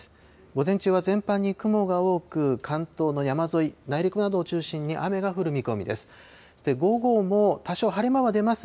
午前中は全般に雲が多く、関東の山沿い、内陸などを中心に雨が降る見込みです。